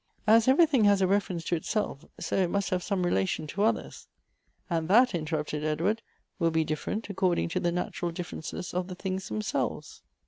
As everything has a reference to itself, so it must have some relation to others." "And that," interrupted Edward, "will be different according to the natural differences of the things them selves.